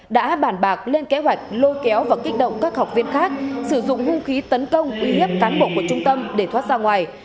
đã bàn bạc lên kế hoạch lôi kéo và kích động các học viên khác sử dụng hung khí tấn công uy hiếp cán bộ của trung tâm để thoát ra ngoài